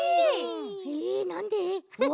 えなんで？